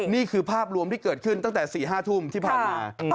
นี่คือภาพรวมที่เกิดขึ้นตั้งแต่๔๕ทุ่มที่ผ่านมา